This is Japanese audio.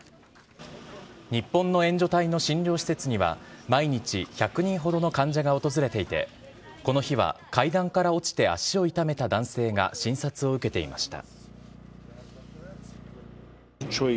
日本の援助隊の診療施設には、毎日１００人ほどの患者が訪れていて、この日は階段から落ちて足を痛めた男性が診察を受けていました。